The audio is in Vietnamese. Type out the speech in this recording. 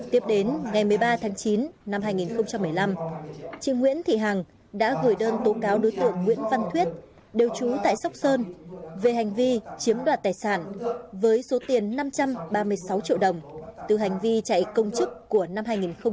tiếp đến ngày một mươi ba tháng chín năm hai nghìn một mươi năm chị nguyễn thị hằng đã gửi đơn tố cáo đối tượng nguyễn văn thuyết đều trú tại sóc sơn về hành vi chiếm đoạt tài sản với số tiền năm trăm ba mươi sáu triệu đồng từ hành vi chạy công chức của năm hai nghìn một mươi bảy